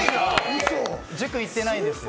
塾行ってないんですよ。